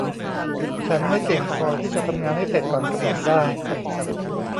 ฉันไม่เก่งพอที่จะทำงานให้เสร็จก่อนกำหนดได้